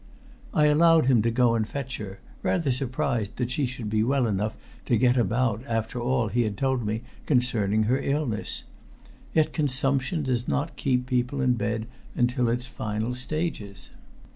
I allowed him to go and fetch her, rather surprised that she should be well enough to get about after all he had told me concerning her illness. Yet consumption does not keep people in bed until its final stages.